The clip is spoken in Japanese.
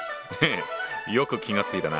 よく気がついたな。